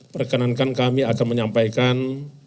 perkenankan kami akan menyampaikan